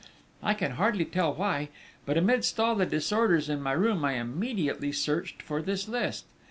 I can hardly tell why, but amidst all the disorders in my room I immediately searched for this list.